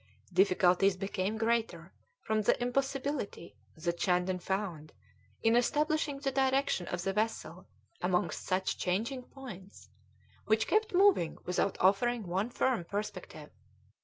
Difficulties became greater from the impossibility that Shandon found in establishing the direction of the vessel amongst such changing points, which kept moving without offering one firm perspective.